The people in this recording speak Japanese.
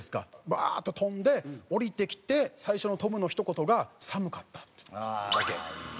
バーッと飛んで降りてきて最初のトムのひと言が「寒かった」って。だけ。